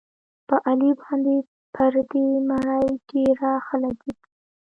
په علي باندې پردۍ مړۍ ډېره ښه لګېدلې ده.